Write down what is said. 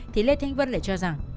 thì lê thanh vân lại cho rằng